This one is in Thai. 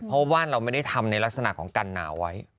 เพราะว่าเราไม่ได้ทำในลักษณะของกันหนาวไว้